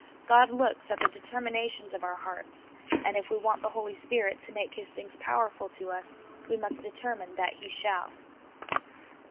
God looks at the determinations of our hearts, and if we want the Holy Spirit to make His things powerful to us, we must determine that He shall.